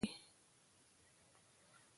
خوبونه له غفلت او تنبلي نه رامنځته کېږي.